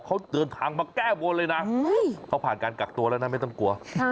เขาเดินทางมาแก้บนเลยนะเขาผ่านการกักตัวแล้วนะไม่ต้องกลัว